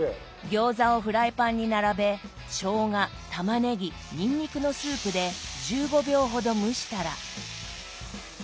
餃子をフライパンに並べしょうがたまねぎにんにくのスープで１５秒ほど蒸したら。